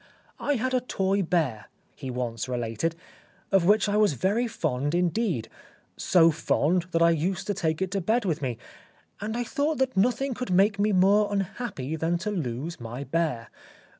" I had a toy bear," he once related, " of which I was very fond indeed, so fond that I used to take it to bed with me, and I thought that nothing could make me more unhappy than to lose my bear.